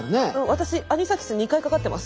私アニサキス２回かかってます。